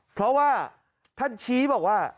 เพราะว่าท่านชี้บอกว่า